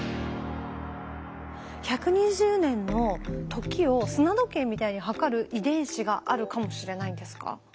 １２０年の時を砂時計みたいに計る遺伝子があるかもしれないんですか？